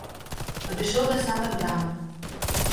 Падышоў да самай брамы.